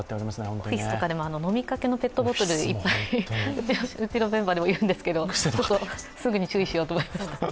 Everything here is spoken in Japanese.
オフィスでも飲みかけのペットボトルいっぱい、うちのメンバーでもいるんですけどすぐに注意しようと思いました。